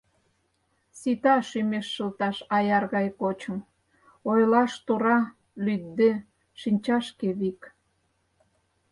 Сита шӱмеш шылташ аяр гай кочым: ойлаш тура, лӱдде, шинчашке вик!